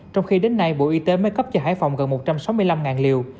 trong khi đến nay bộ y tế mới cấp cho hải phòng gần một trăm sáu mươi năm liều